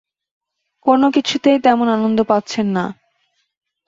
কোনো কিছুতেই তেমন আনন্দ পাচ্ছেন না।